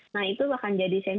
nah itu akan jadi sentra